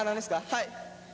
はい。